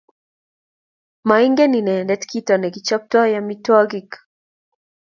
maingen inendet kito ne kichoptoi amitwogik